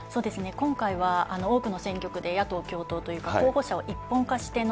今回は、多くの選挙区で野党共闘というか、候補者を一本化して臨